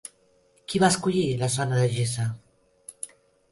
Qui va escollir la zona de Gizeh?